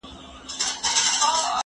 نه حیا له رقیبانو نه سیالانو